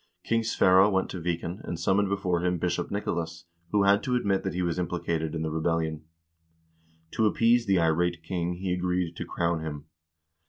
King Sverre went to Viken, and summoned before him Bishop Nicolas, who had to admit that he was implicated in the rebellion. To appease the irate king he agreed to crown him.